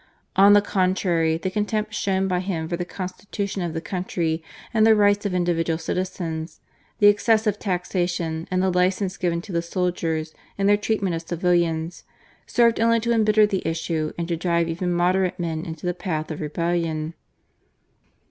On the contrary, the contempt shown by him for the constitution of the country and the rights of individual citizens, the excessive taxation, and the license given to the soldiers in their treatment of civilians served only to embitter the issue and to drive even moderate men into the path of rebellion.